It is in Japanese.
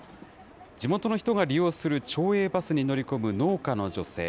地元の人が利用する町営バスに乗り込む農家の女性。